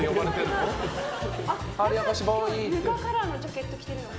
今日はぬかカラーのジャケット着てる。